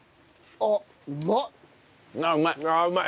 ああうまい！